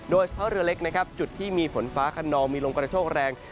โดยเฉพาะเรือเล็กจุดที่มีผลฟ้าคันนอมมีลงกระโชคแรง